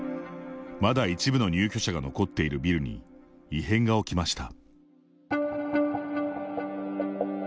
まだ一部の入居者が残っているビルに異変が起きました。